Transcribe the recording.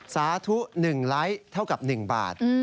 สาธุ๑ไลค์เท่ากับ๑บาท